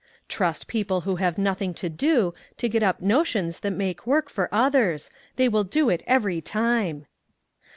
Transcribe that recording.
Trust people who have nothing to do, to get up notions that make work for others; they will do it every time!